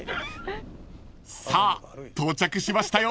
［さあ到着しましたよ］